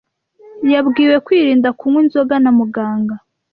Yabwiwe kwirinda kunywa inzoga na muganga.